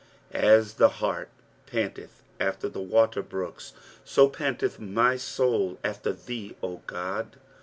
AS the hart panteth after the water brooks, so panteth my soul after thee, O God.